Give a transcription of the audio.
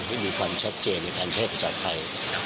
ให้มีความชัดเจนในการใช้ภาษาภัย